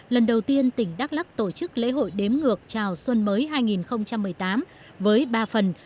lần đầu tiên tỉnh đắk lắc tổ chức lễ hội đếm ngược chào xuân mới hai nghìn một mươi tám với ba phần